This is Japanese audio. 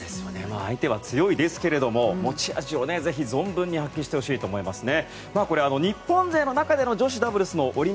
相手は強いですけれども持ち味をぜひ存分に発揮してほしいと思いますね。